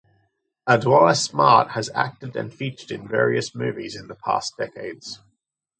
Adwoa Smart has acted and featured in various movies in the past decades.